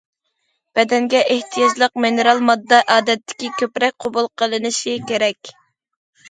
بەدەنگە ئېھتىياجلىق مىنېرال ماددا ئادەتتىكىدىن كۆپرەك قوبۇل قىلىنىشى كېرەك.